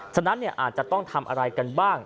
ฉะนั้นอาจจะต้องทำอะไรกันบ้าง